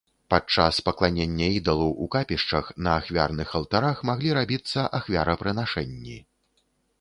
Падчас пакланення ідалу у капішчах, на ахвярных алтарах маглі рабіцца ахвярапрынашэнні.